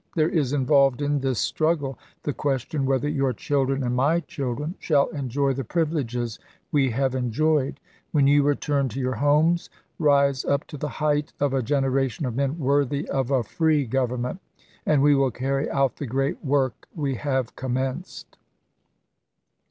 .. There is involved in this struggle the question whether your children and my children shall enjoy the privileges we have enjoyed. .. When you return to your homes, rise up to the height of a generation of men worthy of a free government, and we will carry out the great work we have commenced."